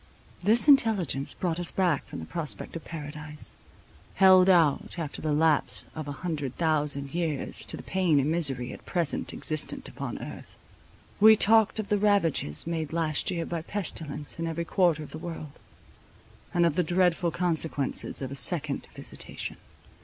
This intelligence brought us back from the prospect of paradise, held out after the lapse of an hundred thousand years, to the pain and misery at present existent upon earth. We talked of the ravages made last year by pestilence in every quarter of the world; and of the dreadful consequences of a second visitation.